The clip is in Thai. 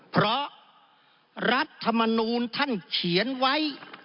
เพราะรัฐมนูลท่านเขียนไว้